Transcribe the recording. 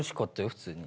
普通に。